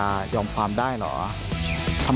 มันกลัวเอิญอย่างนี้นะครับ